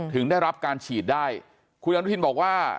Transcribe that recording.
ถึงได้รับการฉีดได้คุณอนุทินบอกว่า